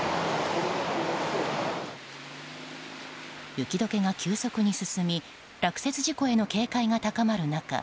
雪解けが急速に進み落雪事故への警戒が高まる中